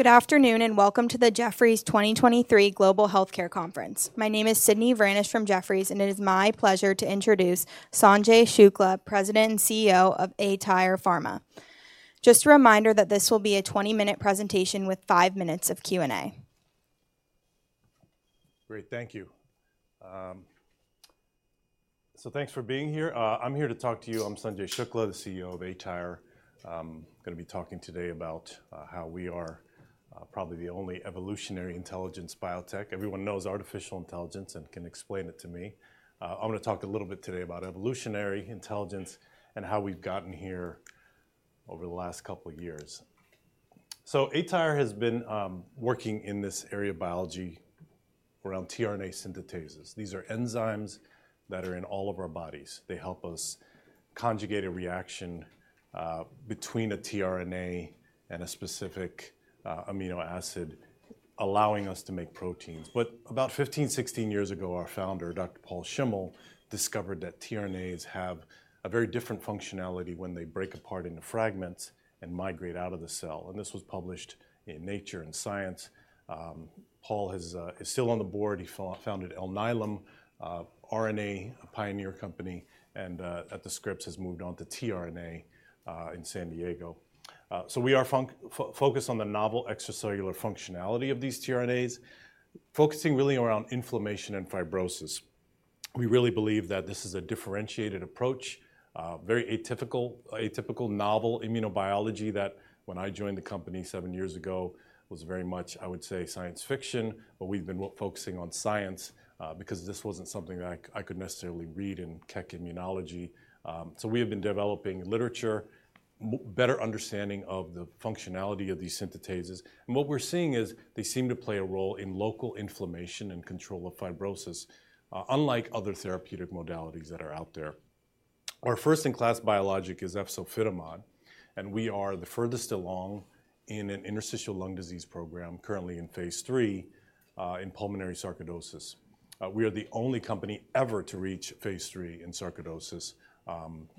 Good afternoon, and welcome to the Jefferies 2023 Global Healthcare Conference. My name is Sydney Varnish from Jefferies, and it is my pleasure to introduce Sanjay Shukla, President and CEO of aTyr Pharma. Just a reminder that this will be a 20-minute presentation with five minutes of Q&A. Great. Thank you. So thanks for being here. I'm here to talk to you. I'm Sanjay Shukla, the CEO of aTyr. I'm gonna be talking today about how we are probably the only evolutionary intelligence biotech. Everyone knows artificial intelligence and can explain it to me. I'm gonna talk a little bit today about evolutionary intelligence and how we've gotten here over the last couple of years. So aTyr has been working in this area of biology around tRNA synthetases. These are enzymes that are in all of our bodies. They help us conjugate a reaction between a tRNA and a specific amino acid, allowing us to make proteins. But about 15, 16 years ago, our founder, Dr. Paul Schimmel discovered that tRNAs have a very different functionality when they break apart into fragments and migrate out of the cell, and this was published in Nature and Science. Paul is still on the board. He founded Alnylam RNA, a pioneer company, and at The Scripps, has moved on to tRNA in San Diego. So we are focused on the novel extracellular functionality of these tRNAs, focusing really around inflammation and fibrosis. We really believe that this is a differentiated approach, very atypical, atypical novel immunobiology, that when I joined the company seven years ago, was very much, I would say, science fiction, but we've been focusing on science, because this wasn't something I could necessarily read in Keck Immunology. So we have been developing literature, better understanding of the functionality of these synthetases, and what we're seeing is they seem to play a role in local inflammation and control of fibrosis, unlike other therapeutic modalities that are out there. Our first-in-class biologic is efzofitimod, and we are the furthest along in an interstitial lung disease program, currently in phase III, in pulmonary sarcoidosis. We are the only company ever to reach phase III in sarcoidosis,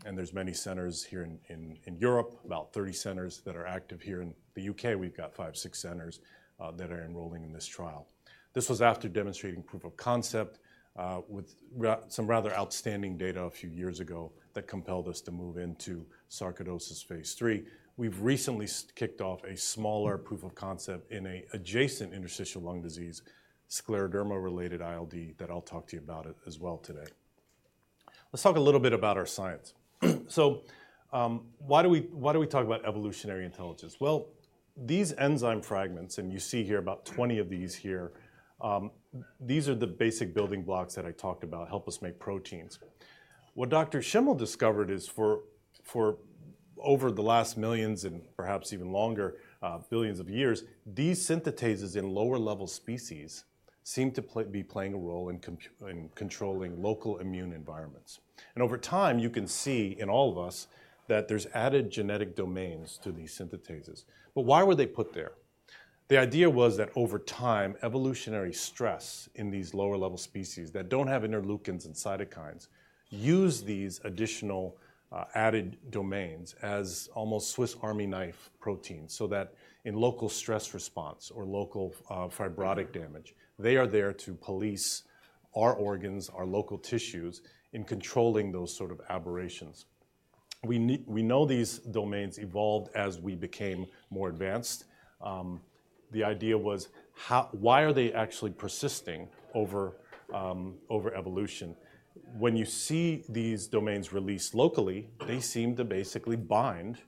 and there's many centers here in Europe, about 30 centers that are active here. In the U.K., we've got five-six centers that are enrolling in this trial. This was after demonstrating proof of concept, with some rather outstanding data a few years ago that compelled us to move into sarcoidosis phase III. We've recently kicked off a smaller proof of concept in an adjacent interstitial lung disease, scleroderma-related ILD, that I'll talk to you about it as well today. Let's talk a little bit about our science. So, why do we, why do we talk about evolutionary intelligence? Well, these enzyme fragments, and you see here about 20 of these here, these are the basic building blocks that I talked about, help us make proteins. What Dr. Schimmel discovered is, for over the last millions and perhaps even longer, billions of years, these synthetases in lower-level species seem to be playing a role in controlling local immune environments. And over time, you can see in all of us that there's added genetic domains to these synthetases. But why were they put there? The idea was that over time, evolutionary stress in these lower-level species that don't have interleukins and cytokines, use these additional, added domains as almost Swiss Army knife proteins, so that in local stress response or local, fibrotic damage, they are there to police our organs, our local tissues, in controlling those sort of aberrations. We know these domains evolved as we became more advanced. The idea was, why are they actually persisting over, over evolution? When you see these domains released locally, they seem to basically bind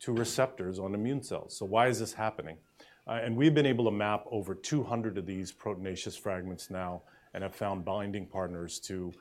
to receptors on immune cells. So why is this happening? And we've been able to map over 200 of these proteinaceous fragments now and have found binding partners to,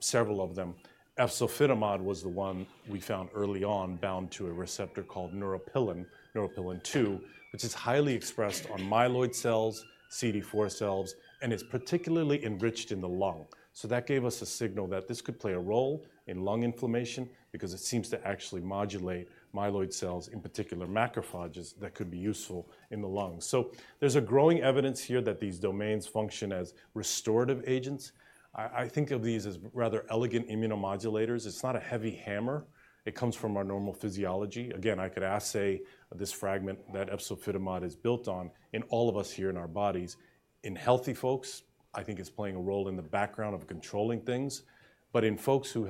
several of them. Efzofitimod was the one we found early on, bound to a receptor called neuropilin-2, which is highly expressed on myeloid cells, CD4 cells, and it's particularly enriched in the lung. So that gave us a signal that this could play a role in lung inflammation because it seems to actually modulate myeloid cells, in particular macrophages, that could be useful in the lungs. So there's a growing evidence here that these domains function as restorative agents. I, I think of these as rather elegant immunomodulators. It's not a heavy hammer. It comes from our normal physiology. Again, I could assay this fragment that efzofitimod is built on in all of us here in our bodies. In healthy folks, I think it's playing a role in the background of controlling things, but in folks who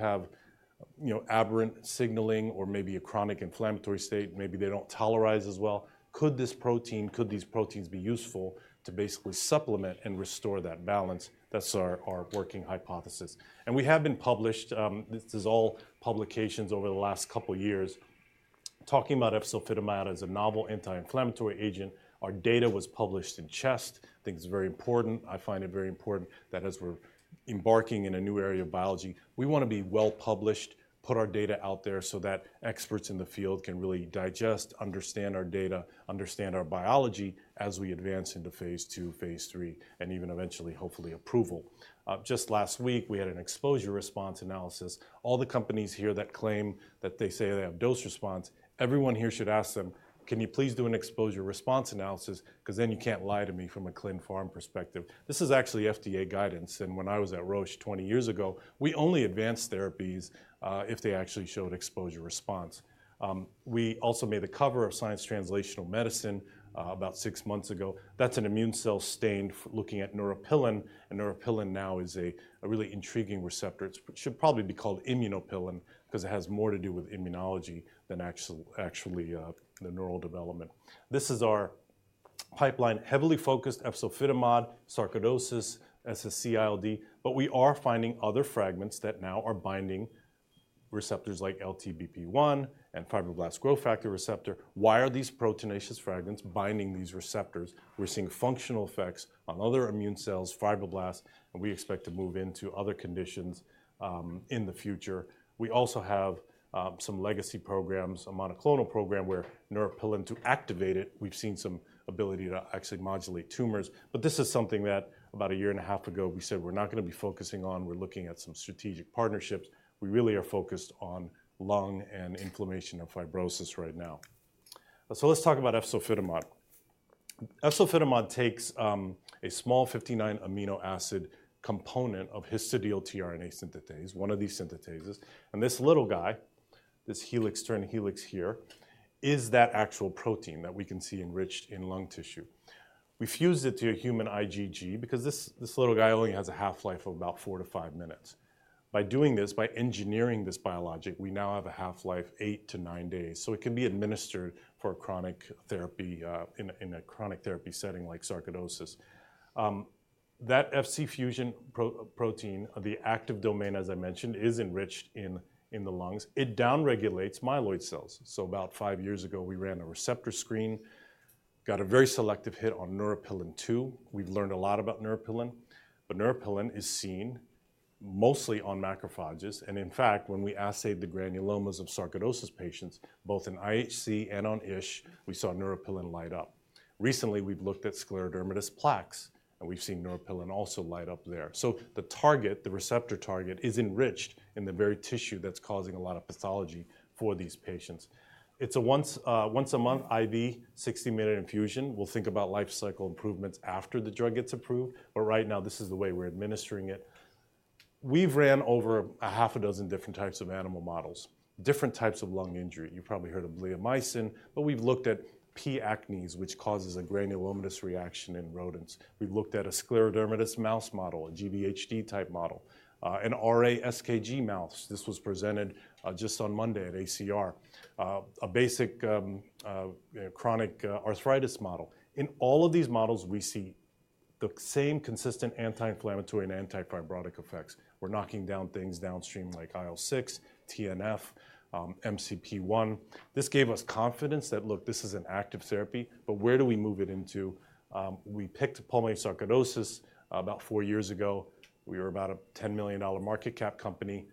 have, you know, aberrant signaling or maybe a chronic inflammatory state, maybe they don't tolerize as well, could this protein, could these proteins be useful to basically supplement and restore that balance? That's our, our working hypothesis. We have been published. This is all publications over the last couple of years, talking about efzofitimod as a novel anti-inflammatory agent. Our data was published in Chest. I think it's very important. I find it very important that as we're embarking in a new area of biology, we wanna be well-published, put our data out there so that experts in the field can really digest, understand our data, understand our biology, as we advance into phase II, phase III, and even eventually, hopefully, approval. Just last week, we had an exposure-response analysis. All the companies here that claim that they say they have dose response, everyone here should ask them: "Can you please do an exposure-response analysis? Because then you can't lie to me from a clin pharm perspective." This is actually FDA guidance, and when I was at Roche 20 years ago, we only advanced therapies if they actually showed exposure response. We also made the cover of Science Translational Medicine about six months ago. That's an immune cell stained looking at neuropilin, and neuropilin now is a really intriguing receptor. It should probably be called immunopilin, 'cause it has more to do with immunology than actually the neural development. This is our pipeline, heavily focused efzofitimod, sarcoidosis, SSc-ILD, but we are finding other fragments that now are binding receptors like LTBP1 and fibroblast growth factor receptor. Why are these proteinaceous fragments binding these receptors? We're seeing functional effects on other immune cells, fibroblasts, and we expect to move into other conditions in the future. We also have some legacy programs, a monoclonal program, where neuropilin-2, to activate it, we've seen some ability to actually modulate tumors. But this is something that about a year and a half ago, we said we're not gonna be focusing on. We're looking at some strategic partnerships. We really are focused on lung and inflammation and fibrosis right now. So let's talk about efzofitimod. Efzofitimod takes a small 59 amino acid component of histidyl-tRNA synthetase, one of these synthetases, and this little guy, this helix, turn helix here, is that actual protein that we can see enriched in lung tissue. We fused it to a human IgG because this, this little guy only has a half-life of about 4-5 minutes. By doing this, by engineering this biologic, we now have a half-life 8-9 days, so it can be administered for a chronic therapy in a chronic therapy setting like sarcoidosis. That Fc fusion protein, the active domain, as I mentioned, is enriched in the lungs. It down regulates myeloid cells. So about five years ago, we ran a receptor screen, got a very selective hit on neuropilin-2. We've learned a lot about neuropilin, but neuropilin is seen mostly on macrophages, and in fact, when we assayed the granulomas of sarcoidosis patients, both in IHC and on ISH, we saw neuropilin light up. Recently, we've looked at scleroderma plaques, and we've seen neuropilin also light up there. So the target, the receptor target, is enriched in the very tissue that's causing a lot of pathology for these patients. It's a once-a-month IV, 60-minute infusion. We'll think about life cycle improvements after the drug gets approved, but right now, this is the way we're administering it. We've ran over a half a dozen different types of animal models, different types of lung injury. You probably heard of bleomycin, but we've looked at P. acnes, which causes a granulomatous reaction in rodents. We've looked at a scleroderma mouse model, a GVHD type model, an RA-SKG mouse. This was presented just on Monday at ACR. A basic chronic arthritis model. In all of these models, we see the same consistent anti-inflammatory and anti-fibrotic effects. We're knocking down things downstream like IL-6, TNF, MCP-1. This gave us confidence that, look, this is an active therapy, but where do we move it into? We picked pulmonary sarcoidosis about four years ago. We were about a $10 million market cap company.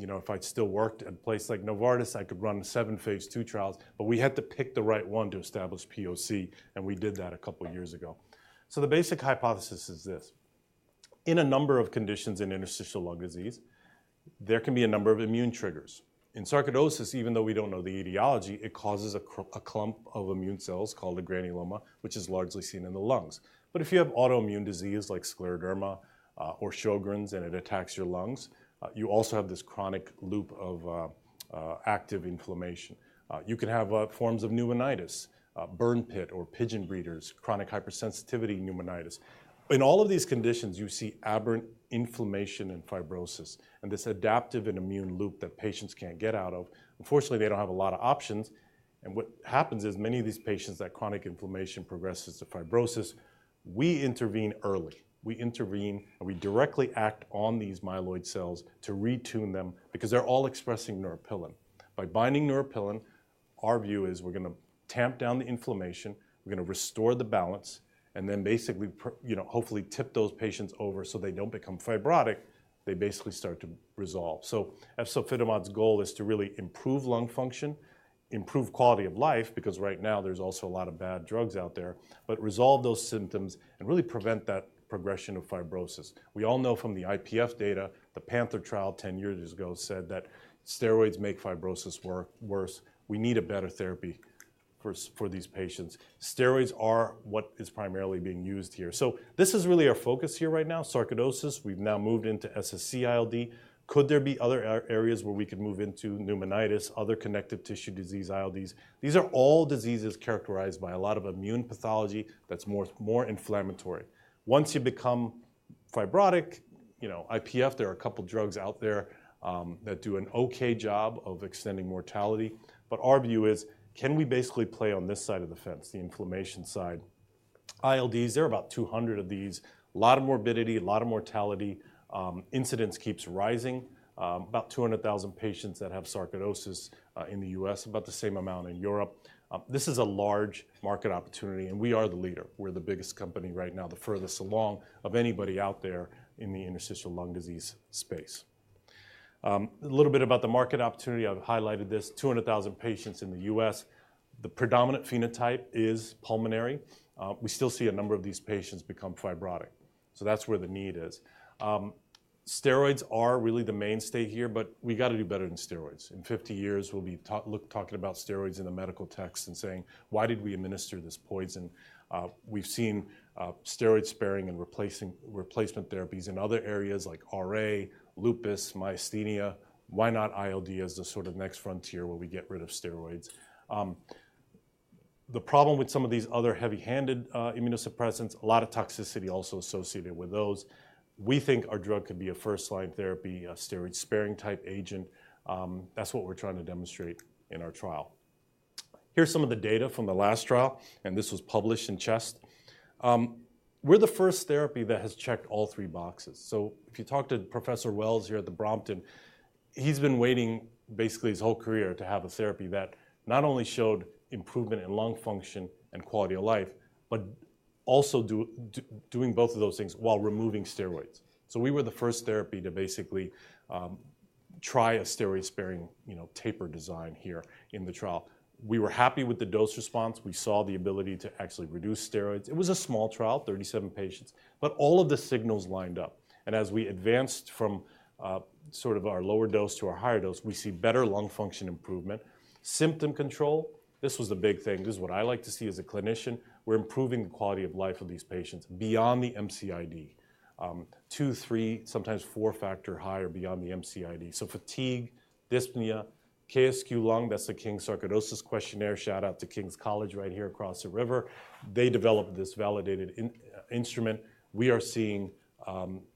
You know, if I'd still worked at a place like Novartis, I could run seven phase II trials, but we had to pick the right one to establish POC, and we did that a couple of years ago. So the basic hypothesis is this: In a number of conditions in interstitial lung disease, there can be a number of immune triggers. In sarcoidosis, even though we don't know the etiology, it causes a clump of immune cells called a granuloma, which is largely seen in the lungs. But if you have autoimmune disease like scleroderma or Sjögren's, and it attacks your lungs, you also have this chronic loop of active inflammation. You can have forms of pneumonitis, burn pit or pigeon breeders, chronic hypersensitivity pneumonitis. In all of these conditions, you see aberrant inflammation and fibrosis, and this adaptive and immune loop that patients can't get out of. Unfortunately, they don't have a lot of options, and what happens is, many of these patients, that chronic inflammation progresses to fibrosis. We intervene early. We intervene, and we directly act on these myeloid cells to retune them because they're all expressing neuropilin. By binding neuropilin-2, our view is we're gonna tamp down the inflammation, we're gonna restore the balance, and then basically you know, hopefully tip those patients over so they don't become fibrotic, they basically start to resolve. So efzofitimod's goal is to really improve lung function, improve quality of life, because right now there's also a lot of bad drugs out there, but resolve those symptoms and really prevent that progression of fibrosis. We all know from the IPF data, the PANTHER trial 10 years ago said that steroids make fibrosis worse. We need a better therapy for for these patients. Steroids are what is primarily being used here. So this is really our focus here right now, sarcoidosis. We've now moved into SSc-ILD. Could there be other areas where we could move into pneumonitis, other connective tissue disease, ILDs? These are all diseases characterized by a lot of immune pathology that's more inflammatory. Once you become fibrotic, you know, IPF, there are a couple drugs out there that do an okay job of extending mortality, but our view is, can we basically play on this side of the fence, the inflammation side? ILDs, there are about 200 of these. A lot of morbidity, a lot of mortality, incidence keeps rising, about 200,000 patients that have sarcoidosis in the U.S., about the same amount in Europe. This is a large market opportunity, and we are the leader. We're the biggest company right now, the furthest along of anybody out there in the interstitial lung disease space. A little bit about the market opportunity. I've highlighted this, 200,000 patients in the U.S. The predominant phenotype is pulmonary. We still see a number of these patients become fibrotic, so that's where the need is. Steroids are really the mainstay here, but we gotta do better than steroids. In 50 years, we'll be talking about steroids in the medical texts and saying, "Why did we administer this poison?" We've seen steroid-sparing and replacement therapies in other areas like RA, lupus, myasthenia. Why not ILD as the sort of next frontier where we get rid of steroids? The problem with some of these other heavy-handed immunosuppressants, a lot of toxicity also associated with those. We think our drug could be a first-line therapy, a steroid-sparing type agent. That's what we're trying to demonstrate in our trial. Here's some of the data from the last trial, and this was published in Chest. We're the first therapy that has checked all three boxes. So if you talk to Professor Wells here at the Brompton, he's been waiting basically his whole career to have a therapy that not only showed improvement in lung function and quality of life, but also doing both of those things while removing steroids. So we were the first therapy to basically try a steroid-sparing, you know, taper design here in the trial. We were happy with the dose response. We saw the ability to actually reduce steroids. It was a small trial, 37 patients, but all of the signals lined up. And as we advanced from sort of our lower dose to our higher dose, we see better lung function improvement. Symptom control, this was the big thing. This is what I like to see as a clinician. We're improving the quality of life of these patients beyond the MCID, 2, 3, sometimes 4 factor higher beyond the MCID. So fatigue, dyspnea, KSQ-Lung, that's the King's Sarcoidosis Questionnaire. Shout out to King's College right here across the river. They developed this validated instrument. We are seeing,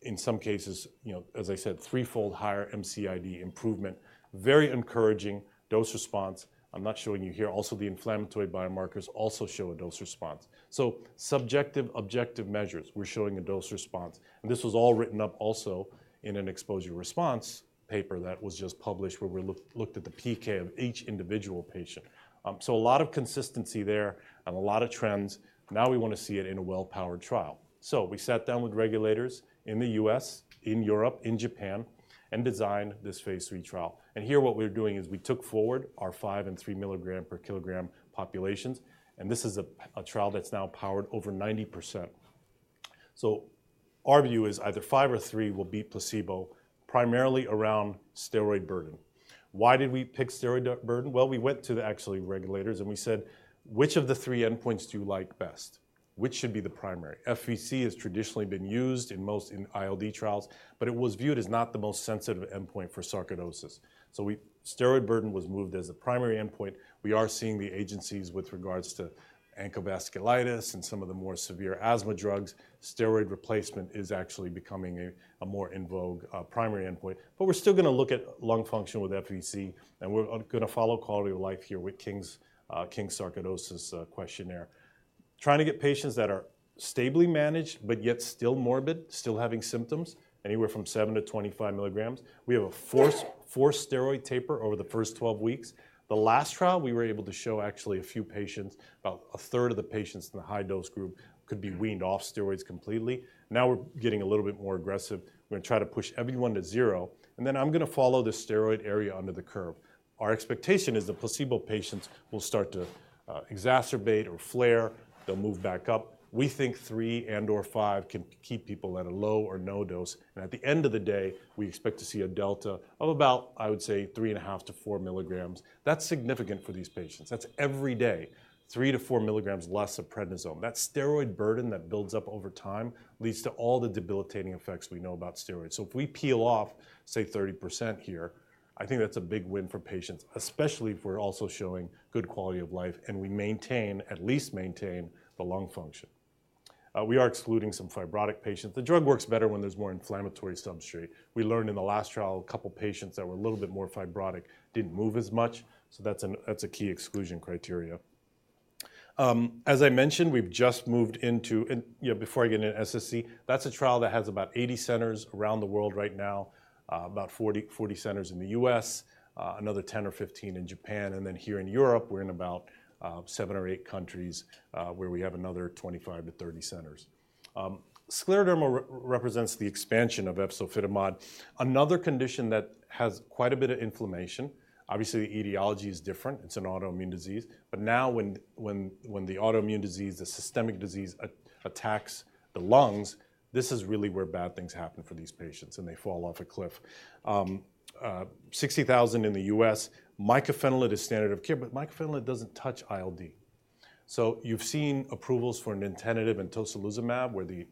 in some cases, you know, as I said, threefold higher MCID improvement, very encouraging dose response. I'm not showing you here. Also, the inflammatory biomarkers also show a dose response. So subjective, objective measures, we're showing a dose response, and this was all written up also in an exposure response paper that was just published, where we looked at the PK of each individual patient. So a lot of consistency there and a lot of trends. Now we wanna see it in a well-powered trial. So we sat down with regulators in the U.S., in Europe, in Japan, and designed this phase III trial. And here, what we're doing is we took forward our five- and 3-mg-per-kg populations, and this is a trial that's now powered over 90%. So our view is either 5 or 3 will beat placebo, primarily around steroid burden. Why did we pick steroid burden? Well, we went to the actually regulators, and we said, "Which of the three endpoints do you like best? Which should be the primary?" FVC has traditionally been used in most, in ILD trials, but it was viewed as not the most sensitive endpoint for sarcoidosis. So we... Steroid burden was moved as a primary endpoint. We are seeing the agencies with regards to ANCA vasculitis and some of the more severe asthma drugs. Steroid replacement is actually becoming a more in vogue primary endpoint. But we're still gonna look at lung function with FVC, and we're gonna follow quality of life here with King's Sarcoidosis Questionnaire. Trying to get patients that are stably managed, but yet still morbid, still having symptoms, anywhere from seven-25 mg. We have a forced steroid taper over the first 12 weeks. The last trial, we were able to show actually a few patients, about a third of the patients in the high-dose group could be weaned off steroids completely. Now, we're getting a little bit more aggressive. We're gonna try to push everyone to 0, and then I'm gonna follow the steroid area under the curve. Our expectation is the placebo patients will start to exacerbate or flare. They'll move back up. We think three and/or five can keep people at a low or no dose, and at the end of the day, we expect to see a delta of about, I would say, 3.5-4 mg. That's significant for these patients. That's every day, three-4 mg less of prednisone. That steroid burden that builds up over time leads to all the debilitating effects we know about steroids. So if we peel off, say, 30% here, I think that's a big win for patients, especially if we're also showing good quality of life, and we maintain, at least maintain the lung function. We are excluding some fibrotic patients. The drug works better when there's more inflammatory substrate. We learned in the last trial, a couple patients that were a little bit more fibrotic didn't move as much, so that's a key exclusion criteria. As I mentioned, we've just moved into and, you know, before I get into SSc, that's a trial that has about 80 centers around the world right now, about 40, 40 centers in the U.S., another 10 or 15 in Japan, and then here in Europe, we're in about 7 or 8 countries, where we have another 25-30 centers. Scleroderma represents the expansion of efzofitimod, another condition that has quite a bit of inflammation. Obviously, the etiology is different. It's an autoimmune disease, but now when the autoimmune disease, the systemic disease attacks the lungs, this is really where bad things happen for these patients, and they fall off a cliff. 60,000 in the US, mycophenolate is standard of care, but mycophenolate doesn't touch ILD. So you've seen approvals for nintedanib and tocilizumab, where the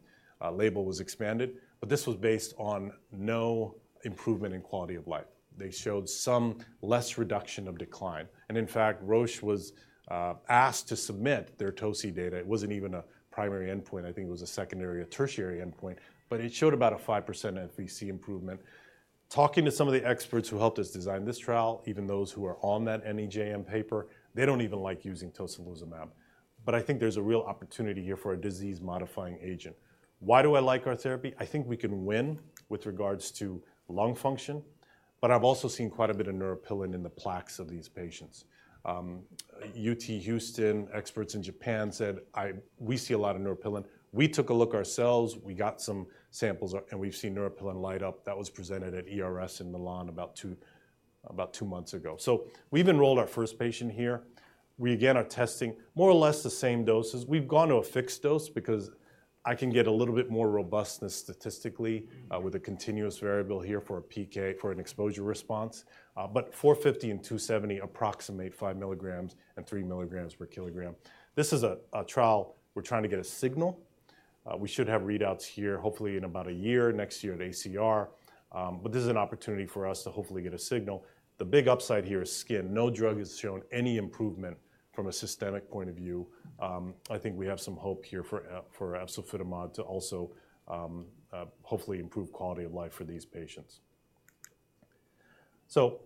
label was expanded, but this was based on no improvement in quality of life. They showed some less reduction of decline, and in fact, Roche was asked to submit their toci data. It wasn't even a primary endpoint. I think it was a secondary or tertiary endpoint, but it showed about a 5% FVC improvement. Talking to some of the experts who helped us design this trial, even those who are on that NEJM paper, they don't even like using tocilizumab, but I think there's a real opportunity here for a disease-modifying agent. Why do I like our therapy? I think we can win with regards to lung function, but I've also seen quite a bit of neuropilin in the plaques of these patients. UT Houston, experts in Japan said, "We see a lot of neuropilin." We took a look ourselves. We got some samples up, and we've seen neuropilin light up. That was presented at ERS in Milan about two, about two months ago. So we've enrolled our first patient here. We, again, are testing more or less the same doses. We've gone to a fixed dose because I can get a little bit more robustness statistically, with a continuous variable here for a PK, for an exposure response, but 450 and 270 approximate 5 mg and 3 mg per kg. This is a trial. We're trying to get a signal. We should have readouts here, hopefully in about a year, next year at ACR. But this is an opportunity for us to hopefully get a signal. The big upside here is skin. No drug has shown any improvement from a systemic point of view. I think we have some hope here for, for efzofitimod to also, hopefully improve quality of life for these patients. So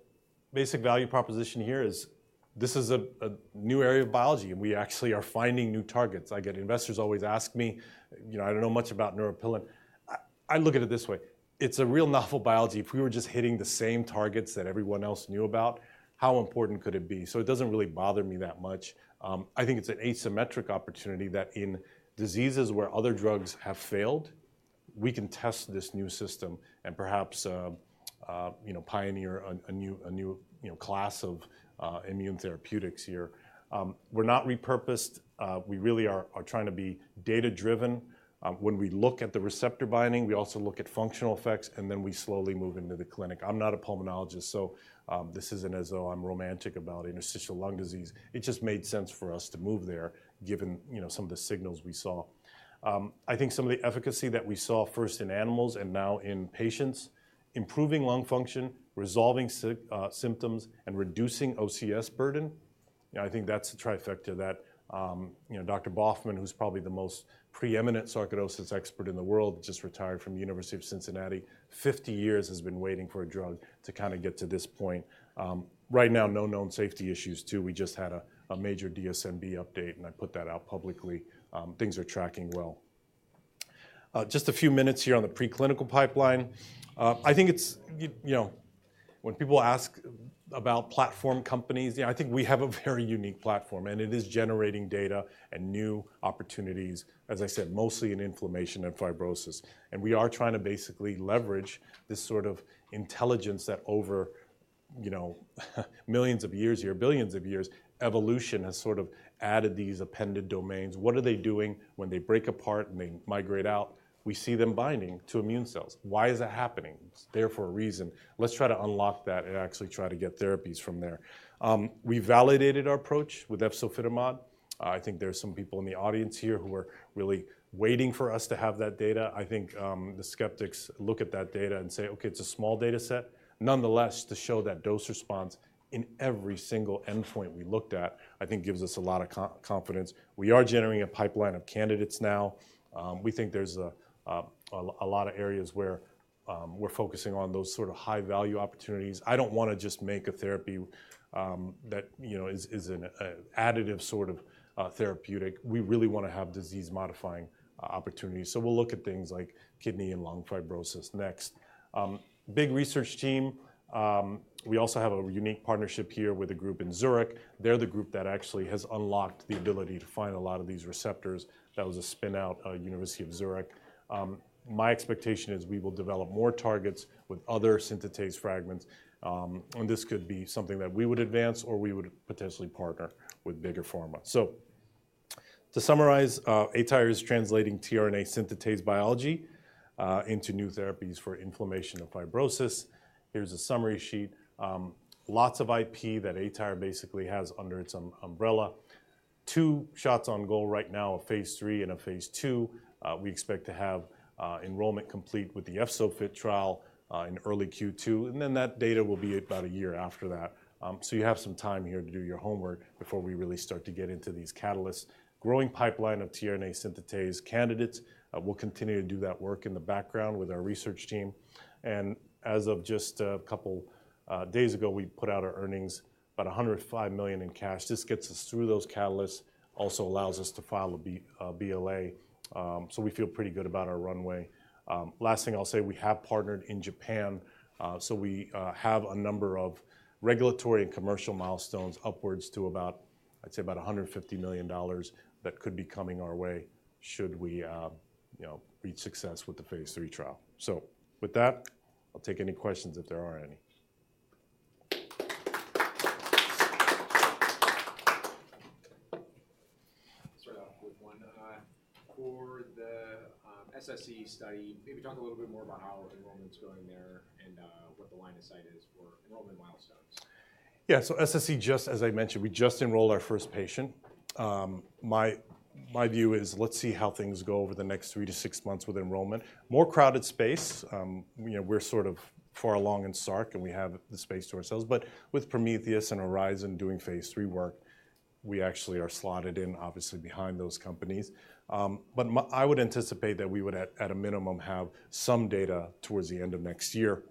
basic value proposition here is, this is a new area of biology, and we actually are finding new targets. I get investors always ask me, "You know, I don't know much about neuropilin." I look at it this way: It's a real novel biology. If we were just hitting the same targets that everyone else knew about, how important could it be? So it doesn't really bother me that much. I think it's an asymmetric opportunity that in diseases where other drugs have failed, we can test this new system and perhaps you know pioneer a new you know class of immune therapeutics here. We're not repurposed. We really are trying to be data-driven. When we look at the receptor binding, we also look at functional effects, and then we slowly move into the clinic. I'm not a pulmonologist, so this isn't as though I'm romantic about interstitial lung disease. It just made sense for us to move there, given, you know, some of the signals we saw. I think some of the efficacy that we saw first in animals and now in patients, improving lung function, resolving symptoms, and reducing OCS burden, yeah, I think that's the trifecta that... You know, Dr. Baughman, who's probably the most preeminent sarcoidosis expert in the world, just retired from the University of Cincinnati, 50 years has been waiting for a drug to kinda get to this point. Right now, no known safety issues, too. We just had a major DSMB update, and I put that out publicly. Things are tracking well. Just a few minutes here on the preclinical pipeline. I think it's... You know, when people ask about platform companies, yeah, I think we have a very unique platform, and it is generating data and new opportunities, as I said, mostly in inflammation and fibrosis. And we are trying to basically leverage this sort of intelligence that over, you know, millions of years or billions of years, evolution has sort of added these appended domains. What are they doing when they break apart, and they migrate out? We see them binding to immune cells. Why is that happening? It's there for a reason. Let's try to unlock that and actually try to get therapies from there. We validated our approach with efzofitimod. I think there are some people in the audience here who are really waiting for us to have that data. I think the skeptics look at that data and say, "Okay, it's a small data set." Nonetheless, to show that dose response in every single endpoint we looked at, I think gives us a lot of confidence. We are generating a pipeline of candidates now. We think there's a lot of areas where we're focusing on those sort of high-value opportunities. I don't wanna just make a therapy that, you know, is an additive sort of therapeutic. We really wanna have disease-modifying opportunities. So we'll look at things like kidney and lung fibrosis next. Big research team. We also have a unique partnership here with a group in Zurich. They're the group that actually has unlocked the ability to find a lot of these receptors. That was a spin-out of University of Zurich. My expectation is we will develop more targets with other synthetase fragments, and this could be something that we would advance, or we would potentially partner with bigger pharma. So to summarize, aTyr is translating tRNA synthetase biology into new therapies for inflammation and fibrosis. Here's a summary sheet. Lots of IP that aTyr basically has under its umbrella. Two shots on goal right now, a phase III and a phase II. We expect to have enrollment complete with the EFZO-FIT trial in early Q2, and then that data will be out about a year after that. So you have some time here to do your homework before we really start to get into these catalysts. Growing pipeline of tRNA synthetase candidates, we'll continue to do that work in the background with our research team. As of just a couple days ago, we put out our earnings, about $105 million in cash. This gets us through those catalysts, also allows us to file a BLA, so we feel pretty good about our runway. Last thing I'll say, we have partnered in Japan, so we have a number of regulatory and commercial milestones upwards to about, I'd say, about $150 million that could be coming our way should we, you know, reach success with the phase III trial. With that, I'll take any questions if there are any. Start off with one. For the SSc study, maybe talk a little bit more about how enrollment's going there and what the line of sight is for enrollment milestones. Yeah. So SSc, just as I mentioned, we just enrolled our first patient. My view is, let's see how things go over the next three to six months with enrollment. More crowded space. You know, we're sort of far along in SARC, and we have the space to ourselves. But with Prometheus and Horizon doing phase III work, we actually are slotted in, obviously, behind those companies. But I would anticipate that we would, at a minimum, have some data towards the end of next year.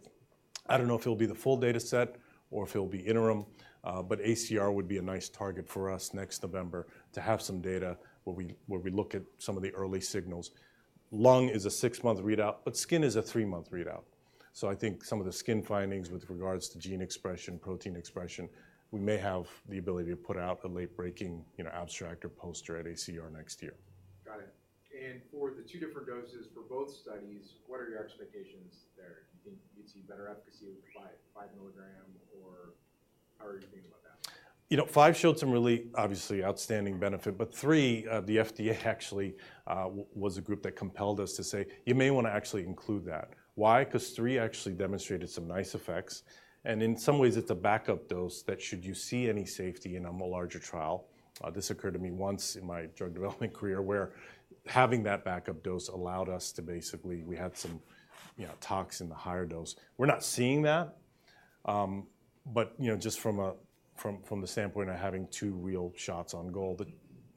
I don't know if it'll be the full data set or if it'll be interim, but ACR would be a nice target for us next November to have some data where we look at some of the early signals. Lung is a six-month readout, but skin is a three-month readout. I think some of the skin findings with regards to gene expression, protein expression, we may have the ability to put out a late-breaking, you know, abstract or poster at ACR next year. Got it. And for the two different doses for both studies, what are your expectations there? Do you think you'd see better efficacy with 5.5 mg? How are you thinking about that? You know, five showed some really, obviously, outstanding benefit, but three, the FDA actually was a group that compelled us to say, "You may wanna actually include that." Why? Because three actually demonstrated some nice effects, and in some ways, it's a backup dose that should you see any safety in a larger trial. This occurred to me once in my drug development career, where having that backup dose allowed us to basically, we had some, you know, tox in the higher dose. We're not seeing that, but, you know, just from the standpoint of having two real shots on goal, the,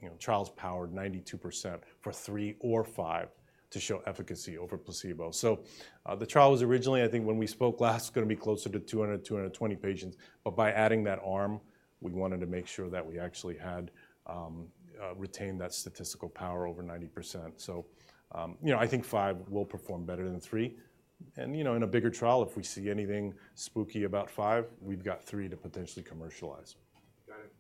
you know, trial's powered 92% for three or five to show efficacy over placebo. So, the trial was originally, I think when we spoke last, gonna be closer to 200, 220 patients, but by adding that arm, we wanted to make sure that we actually had retained that statistical power over 90%. So, you know, I think 5 will perform better than three, and, you know, in a bigger trial, if we see anything spooky about five, we've got three to potentially commercialize. Got it.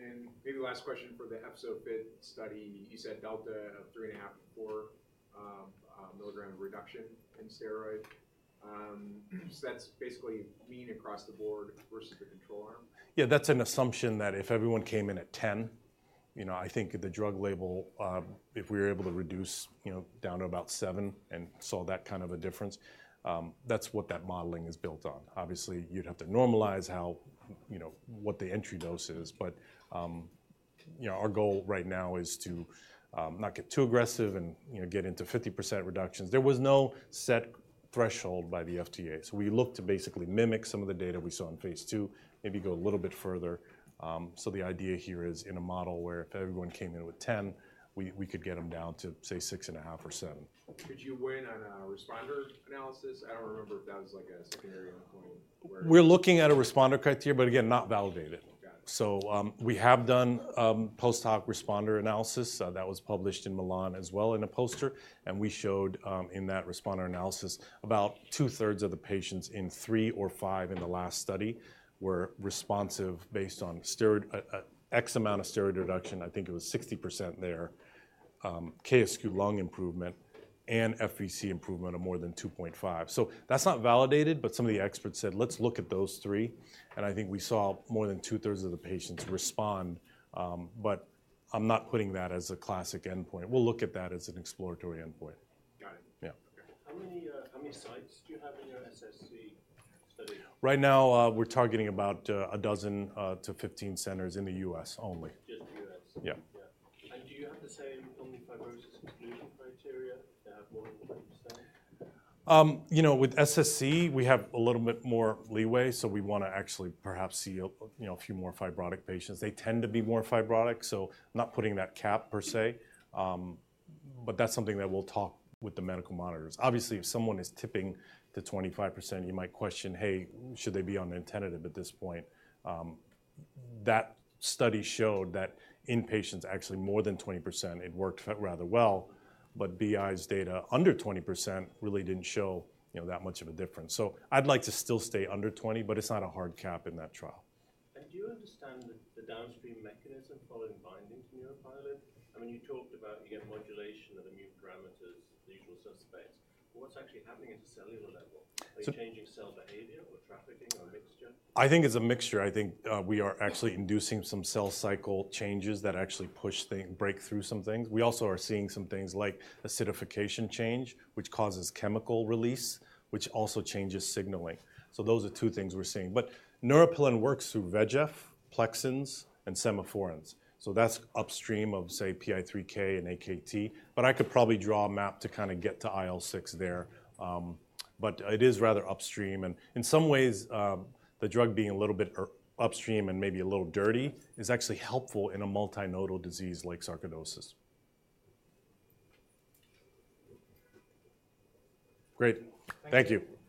And maybe last question for the EFZO-FIT study. You said delta of 3.5, 4 mg reduction in steroid. So that's basically mean across the board versus the control arm? Yeah, that's an assumption that if everyone came in at 10, you know, I think the drug label, if we were able to reduce, you know, down to about seven and saw that kind of a difference, that's what that modeling is built on. Obviously, you'd have to normalize how, you know, what the entry dose is, but, you know, our goal right now is to not get too aggressive and, you know, get into 50% reductions. There was no set threshold by the FDA, so we looked to basically mimic some of the data we saw in phase II, maybe go a little bit further. So the idea here is in a model where if everyone came in with 10, we could get them down to, say, 6.5 or seven. Could you weigh in on a responder analysis? I don't remember if that was, like, a scenario endpoint where- We're looking at a responder criteria, but again, not validated. Got it. So, we have done post-hoc responder analysis that was published in Milan as well in a poster, and we showed in that responder analysis, about 2/3 of the patients in 3 or 5 in the last study were responsive based on steroid X amount of steroid reduction, I think it was 60% there, KSQ lung improvement, and FVC improvement of more than 2.5. So that's not validated, but some of the experts said, "Let's look at those three," and I think we saw more than 2/3 of the patients respond, but I'm not putting that as a classic endpoint. We'll look at that as an exploratory endpoint. Got it. Yeah. Okay. How many, how many sites do you have in your SSc study now? Right now, we're targeting about 12 to 15 centers in the U.S. only. Just the U.S.? Yeah. Yeah. And do you have the same pulmonary fibrosis exclusion criteria to have more than what you're saying? You know, with SSc, we have a little bit more leeway, so we wanna actually perhaps see a, you know, a few more fibrotic patients. They tend to be more fibrotic, so not putting that cap per se, but that's something that we'll talk with the medical monitors. Obviously, if someone is tipping to 25%, you might question, "Hey, should they be on nintedanib at this point?" That study showed that in patients actually more than 20%, it worked rather well, but BI's data under 20% really didn't show, you know, that much of a difference. So I'd like to still stay under 20, but it's not a hard cap in that trial. Do you understand the downstream mechanism following binding to neuropilin? I mean, you talked about, you get modulation of immune parameters, the usual suspects, but what's actually happening at a cellular level? So- Are you changing cell behavior or trafficking or a mixture? I think it's a mixture. I think we are actually inducing some cell cycle changes that actually push things—break through some things. We also are seeing some things like acidification change, which causes chemical release, which also changes signaling. So those are two things we're seeing. But neuropilin works through VEGF, plexins, and semaphorins, so that's upstream of, say, PI3K and Akt, but I could probably draw a map to kinda get to IL-6 there. But it is rather upstream, and in some ways, the drug being a little bit upstream and maybe a little dirty is actually helpful in a multinodal disease like sarcoidosis. Great. Thank you.